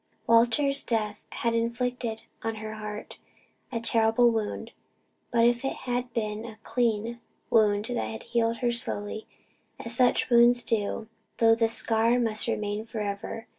Walter's death had inflicted on her heart a terrible wound. But it had been a clean wound and had healed slowly, as such wounds do, though the scar must remain for ever.